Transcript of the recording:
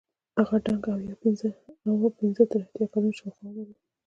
هغه دنګ او اویا پنځه تر اتیا کلونو شاوخوا عمر یې وو.